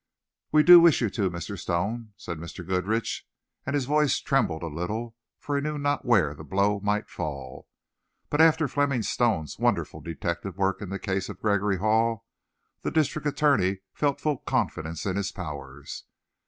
"We do wish you to, Mr. Stone," said Mr. Goodrich, and his voice trembled a little, for he knew not where the blow might fall. But after Fleming Stone's wonderful detective work in the case of Gregory Hall, the district attorney felt full confidence in his powers.